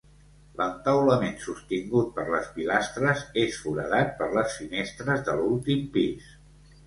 L'entaulament sostingut per les pilastres és foradat per les finestres de l'últim pis.